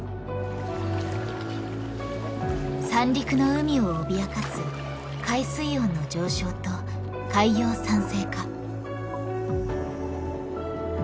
三陸の海を脅かす海水温の上昇と海洋酸性化。